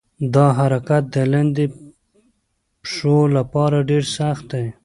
دا حرکت د لاندې پښو لپاره ډېر سخت دی.